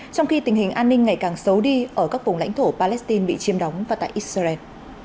trong khi tình hình an ninh ngày càng xấu đi ở các vùng lãnh thổ palestine bị chiêm đóng và tại israel